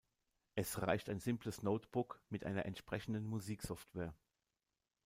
Es reichte ein simples Notebook mit einer entsprechenden Musiksoftware.